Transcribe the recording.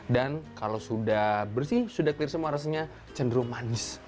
dan kalau sudah bersih sudah clear semua rasanya cenderung manis